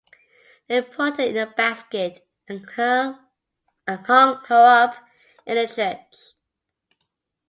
They put her in a basket and hung her up in a church.